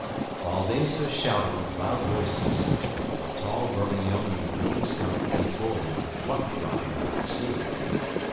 While they so shouted with loud voices, a tall burly yeoman of the King's guard came forward and plucked Robin by the sleeve.